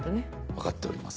わかっております。